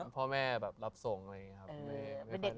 พ่อแม่แบบรับส่งอะไรอย่างนี้ครับ